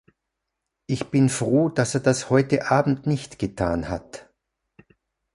Ich bin froh, dass er das heute Abend nicht getan hat.